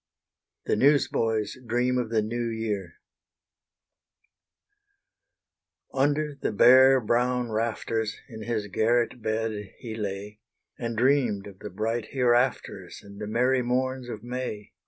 THE NEWS BOY'S DREAM OF THE NEW YEAR Under the bare brown rafters, In his garret bed he lay, And dreamed of the bright hereafters. And the merry morns of May.